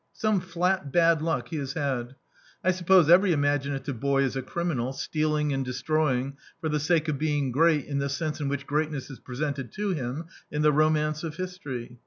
Some flat bad luck he has had. I suppose every imaginative boy is a criminal, stealing and destroy ing for the sake of being great in the sense in which greatness is presented to him in the romance of his tory.